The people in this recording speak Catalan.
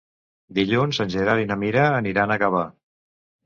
Dilluns en Gerard i na Mira aniran a Gavà.